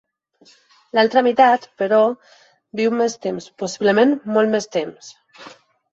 L'altra meitat, però, viu més temps, possiblement molt més temps.